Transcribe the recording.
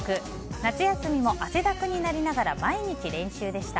夏休みも汗だくになりながら毎日練習でした。